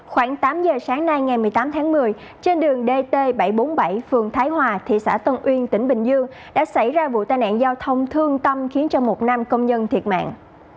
khoảng tám giờ sáng nay ngày một mươi tám tháng một mươi trên đường dt bảy trăm bốn mươi bảy phường thái hòa thị xã tân uyên tỉnh bình dương đã xảy ra vụ tai nạn giao thông thương tâm khiến cho một nam công nhân thiệt mạng